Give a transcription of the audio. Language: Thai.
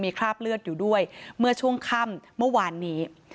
คราบเลือดอยู่ด้วยเมื่อช่วงค่ำเมื่อวานนี้